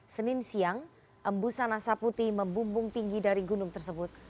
senin siang embusan asap putih membumbung tinggi dari gunung tersebut